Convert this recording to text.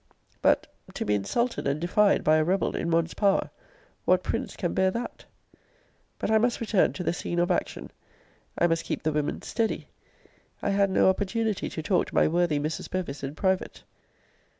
But, to be insulted and defied by a rebel in one's power, what prince can bear that? But I must return to the scene of action. I must keep the women steady. I had no opportunity to talk to my worthy Mrs. Bevis in private.